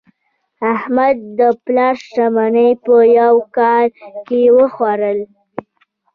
احمد د پلار شتمني په یوه کال کې وخوړه.